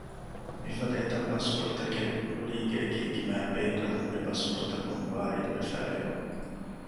މިފަދަ އެތައް ބަސްފުޅުތަކެއް ކުރީގެ އެކިއެކި މާތްްބޭކަލުންގެ ބަސްފުޅުތަކުން ވާރިދުވެފައިވެ